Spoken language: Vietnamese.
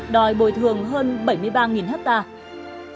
đòi bồi thường hơn bảy mươi ba hectare